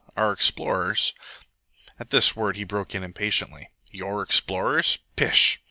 Our explorers " At this word he broke in impatiently. "Your explorers? Pish!